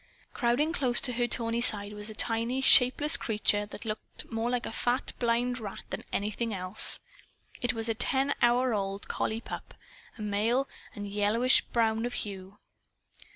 Crowding close to her tawny side was a tiny, shapeless creature that looked more like a fat blind rat than like anything else. It was a ten hour old collie pup a male, and yellowish brown of hue.